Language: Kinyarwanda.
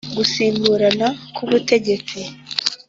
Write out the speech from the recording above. Gusimburana k'ubutegetsi.